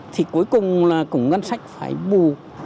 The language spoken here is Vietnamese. thì cuối cùng là cũng ngân sách phải bù